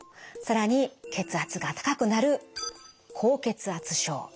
更に血圧が高くなる高血圧症。